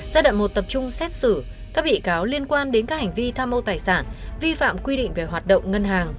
giai đoạn một tập trung xét xử các bị cáo liên quan đến các hành vi tham mô tài sản vi phạm quy định về hoạt động ngân hàng